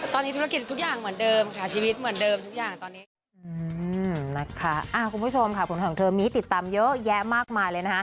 ตอนนี้ธุรกิจทุกอย่างเหมือนเดิมค่ะชีวิตเหมือนเดิม